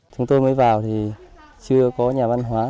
chúng tôi mới vào thì chưa có nhà văn hóa